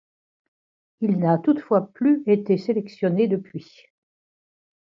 Il n'a toutefois plus été sélectionné depuis.